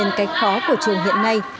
tuy nhiên cách khó của trường hiện nay